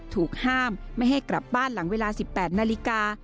ถูกห้ามไม่ให้กลับบ้านหลังเวลา๑๘นาฬิกา